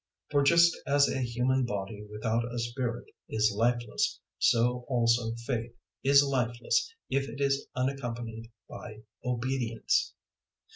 002:026 For just as a human body without a spirit is lifeless, so also faith is lifeless if it is unaccompanied by obedience.